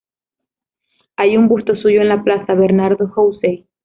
Hay un busto suyo en la plaza "Bernardo Houssay".